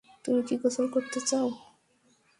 তুমি কি গোসল করতে চাও?